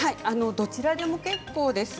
どちらでも結構です。